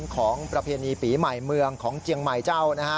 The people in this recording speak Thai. ประเพณีปีใหม่เมืองของเจียงใหม่เจ้านะฮะ